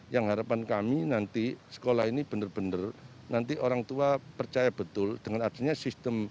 yang harapan kami nanti sekolah ini benar benar nanti orang tua percaya betul dengan adanya sistem